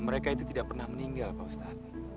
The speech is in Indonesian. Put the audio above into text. mereka itu tidak pernah meninggal pak ustadz